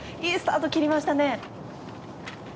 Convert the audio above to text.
いいスタートを切りましたね。